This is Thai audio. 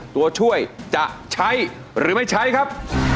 ตัวช่วยจะใช้หรือไม่ใช้ครับ